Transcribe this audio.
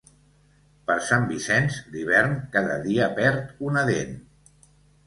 Per Sant Vicenç, l'hivern cada dia perd una dent.